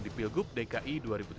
di pilgub dki dua ribu tujuh belas